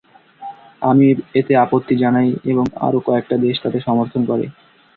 আমি এতে আপত্তি জানাই এবং আরও কয়েকটা দেশ তাতে সমর্থন করে।